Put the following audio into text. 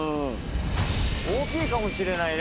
大きいかもしれないね。